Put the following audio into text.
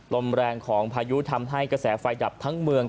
ลมแรงของพายุทำให้กระแสไฟดับทั้งเมือง